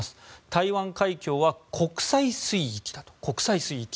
台湾海峡は国際水域だと国際水域。